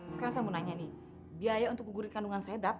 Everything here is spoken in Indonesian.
sekarang saya mau nanya nih biaya untuk gugurin kandungan saya berapa